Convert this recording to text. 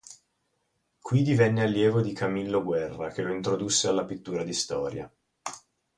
Qui divenne allievo di Camillo Guerra, che lo introdusse alla pittura di storia.